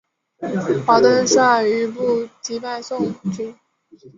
华登率余部击败宋军。